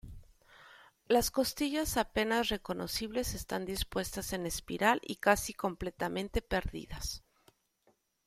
Las costillas apenas reconocibles están dispuestas en espiral y casi completamente perdidas.